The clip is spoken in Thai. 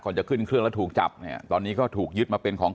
จะขึ้นเครื่องแล้วถูกจับเนี่ยตอนนี้ก็ถูกยึดมาเป็นของ